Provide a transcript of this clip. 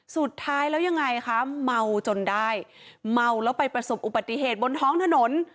สุดท้ายแล้วยังไงคะเมาจนได้เมาแล้วไปประสบอุบัติเหตุบนท้องถนน